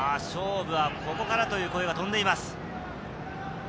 勝負はここからという声が飛んでいます。